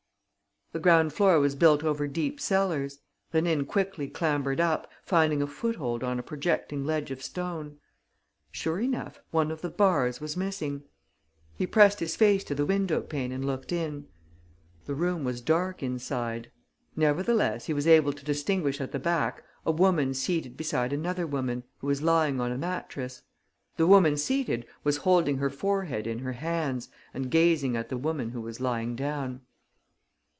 The ground floor was built over deep cellars. Rénine quickly clambered up, finding a foothold on a projecting ledge of stone. Sure enough, one of the bars was missing. He pressed his face to the window pane and looked in. The room was dark inside. Nevertheless he was able to distinguish at the back a woman seated beside another woman, who was lying on a mattress. The woman seated was holding her forehead in her hands and gazing at the woman who was lying down.